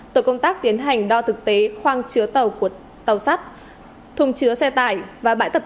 tổ công tác tiến hành đo thực tế khoang chứa tàu của tàu sắt thùng chứa xe tải và bãi tập